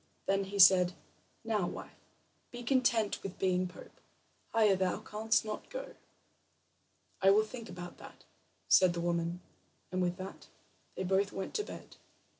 Then he said: "Now, wife, be content with being pope; higher thou canst not go." "I will think about that," said the woman, and with that they both went to bed.